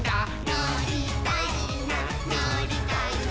「のりたいなのりたいな」